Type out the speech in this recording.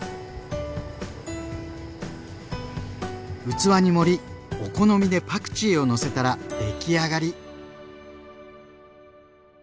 器に盛りお好みでパクチーをのせたら出来上がり。